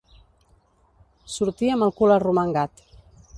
Sortir amb el cul arromangat.